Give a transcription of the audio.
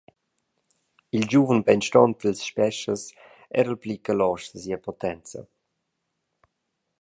Il giuven beinstont dils Speschas era pli che loschs da sia potenza.